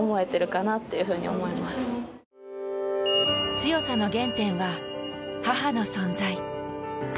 強さの原点は、母の存在。